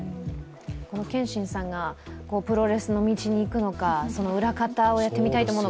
謙心さんがプロレスの道に行くのか、その裏方をやってみたいと思うのか。